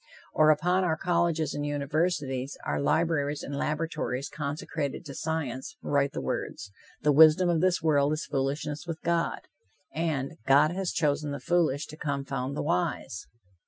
Or upon our colleges and universities, our libraries and laboratories consecrated to science, write the words: "The wisdom of this world is foolishness with God," and "God has chosen the foolish to confound the wise."